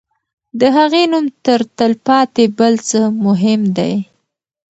د هغې نوم تر تل پاتې بل څه مهم دی.